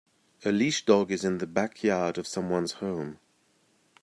A leashed dog is in the backyard of someone 's home.